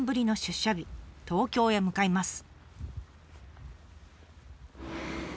東京へ向かいます。